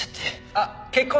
あっ結婚